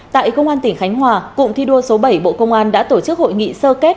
tại công an tỉnh khánh hòa cụm thi đua số bảy bộ công an đã tổ chức hội nghị sơ kết